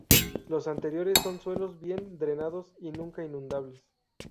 Los anteriores son suelos bien drenados y nunca inundables.